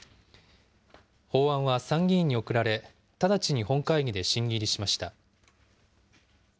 法案は参議院に送られ、直ちに本会議で審議入りしました。